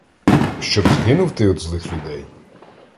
Щоб згинув ти од злих людей?